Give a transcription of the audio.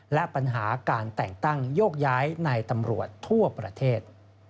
และปัญหาการแต่งตั้งโยกย้ายในตำรวจทั่วประเทศ